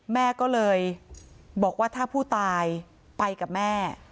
แม่ก็เลยบอกว่าถ้าผู้ตายไปกับแม่